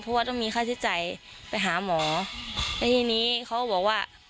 เพราะว่าต้องมีค่าใช้จ่ายไปหาหมอแล้วทีนี้เขาบอกว่า